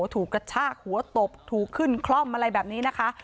กระชากหัวตบถูกขึ้นคล่อมอะไรแบบนี้นะคะ